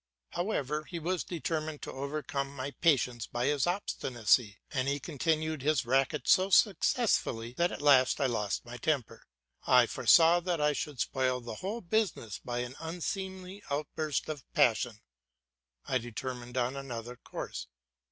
However, he was determined to overcome my patience with his own obstinacy, and he continued his racket so successfully that at last I lost my temper. I foresaw that I should spoil the whole business by an unseemly outburst of passion. I determined on another course.